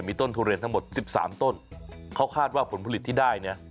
มีต้นทุเรียนทั้งหมด๑๓ต้นเขาคาดว่าผลผลิตที่ได้เนี่ย